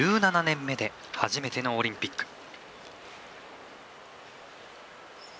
１７年目で初めてのオリンピック。